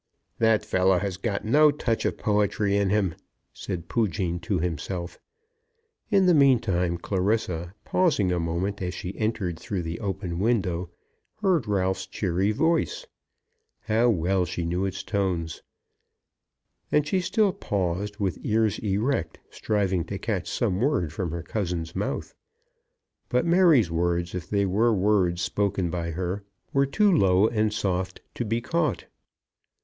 "That fellow has got no touch of poetry in him!" said Poojean to himself. In the meantime Clarissa, pausing a moment as she entered through the open window, heard Ralph's cheery voice. How well she knew its tones! And she still paused, with ears erect, striving to catch some word from her cousin's mouth. But Mary's words, if they were words spoken by her, were too low and soft to be caught.